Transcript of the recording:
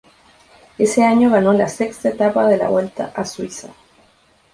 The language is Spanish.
Ese año ganó la sexta etapa de la Vuelta a Suiza.